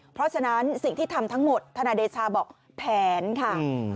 เพราะฉะนั้นสิ่งที่ทำทั้งหมดธนายเดชาบอกแผนค่ะ